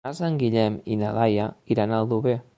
Dimarts en Guillem i na Laia iran a Aldover.